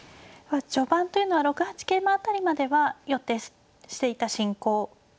序盤というのは６八桂の辺りまでは予定していた進行ということでしょうか。